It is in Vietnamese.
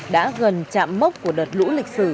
đã gần chạm mốc của đợt lũ lịch sử